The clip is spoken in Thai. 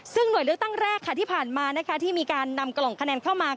ซึ่งหน่วยเลือกตั้งแรกค่ะที่ผ่านมานะคะที่มีการนำกล่องคะแนนเข้ามา